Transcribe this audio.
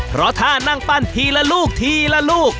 เพราะถ้านั่งปั้นทีละลูกทีละลูก